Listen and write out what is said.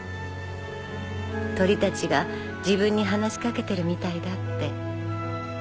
鳥たちが自分に話しかけてるみたいだって。